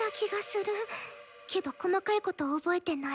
けど細かいこと覚えてない。